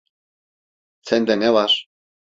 Sende ne var?